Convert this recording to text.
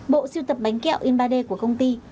bộ siêu tập bánh kẹo in ba d của công ty